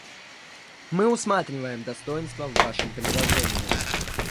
Мы усматриваем достоинства в вашем предложении.